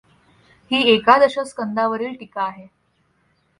ही एकादश स्कंदावरील टीका आहे.